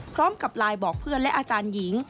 พร้อมกับไลน์บอกเพื่อนและอาจารย์หญิง